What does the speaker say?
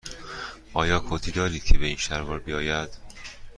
آیا کتی دارید که به این شلوار بیاید؟